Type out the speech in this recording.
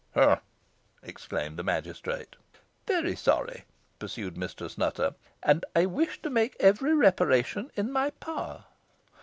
"Humph!" exclaimed the magistrate. "Very sorry," pursued Mistress Nutter; "and I wish to make every reparation in my power."